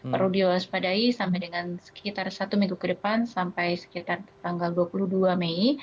perlu diwaspadai sampai dengan sekitar satu minggu ke depan sampai sekitar tanggal dua puluh dua mei